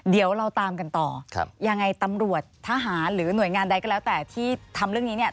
เดี๋ยวเราตามกันต่อครับยังไงตำรวจทหารหรือหน่วยงานใดก็แล้วแต่ที่ทำเรื่องนี้เนี่ย